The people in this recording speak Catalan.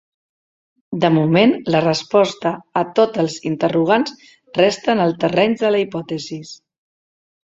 De moment, la resposta a tots els interrogants resta en el terreny de la hipòtesi.